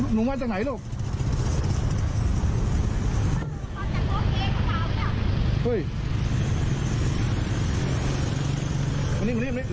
หนูว่าจากไหนล่ะ